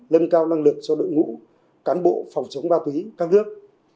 lân cao năng lực cho đội ngũ cán bộ phòng chống ma túy các nước